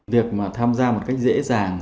việc mà tham gia một cách dễ dàng